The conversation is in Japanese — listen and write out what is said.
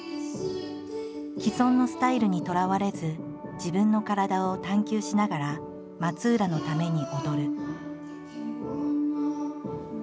既存のスタイルにとらわれず自分の体を探求しながら松浦のために踊る。